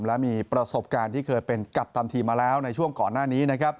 และมีประสบการณ์ที่เคยเป็นกัปตันทีมมาแล้วในช่วงก่อนหน้านี้นะครับ